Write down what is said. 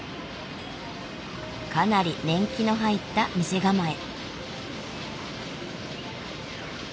かなり年季の入った店構え。